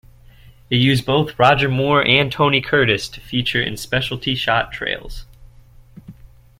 It used both Roger Moore and Tony Curtis to feature in specialty shot trails.